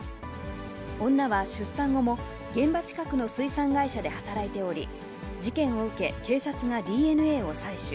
女は出産後も現場近くの水産会社で働いており、事件を受け、警察がＤＮＡを採取。